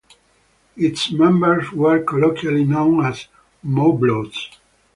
Its members were colloquially known as "Moblots".